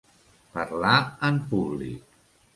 Parlar en públic.